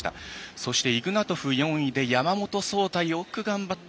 そして、イグナトフ４位で山本草太がよく頑張った。